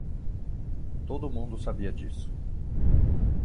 Todo mundo sabia disso.